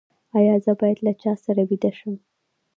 ایا زه باید له چا سره ویده شم؟